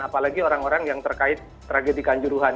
apalagi orang orang yang terkait tragedi kanjuruhan